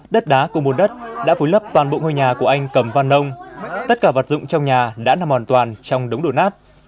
đất đá của bùn đất đã vùi lấp toàn bộ ngôi nhà của anh cầm văn nông tất cả vật dụng trong nhà đã nằm hoàn toàn trong đống đổ nát